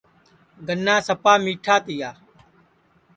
گنا سپا میٹھا تیا